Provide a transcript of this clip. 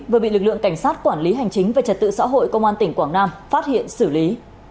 vừa bị lực lượng cảnh sát quản lý hành chính về trật tự xã hội công an tỉnh quảng nam phát hiện xử lý